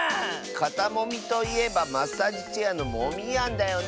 かたもみといえばマッサージチェアのモミヤンだよね。